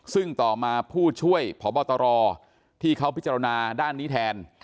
ซึ่งต่อมาผู้ช่วยพบตรที่เขาพิจารณาด้านนี้แทน